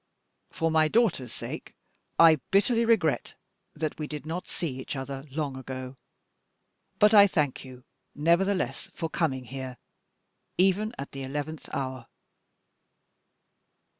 For my daughter's sake, I bitterly regret that we did not see each other long ago; but I thank you, nevertheless, for coming here, even at the eleventh hour."